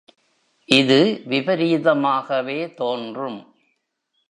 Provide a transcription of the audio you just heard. இது விபரீதமாகவே தோன்றும்!